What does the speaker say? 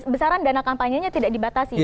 besaran dana kampanyenya tidak dibatasi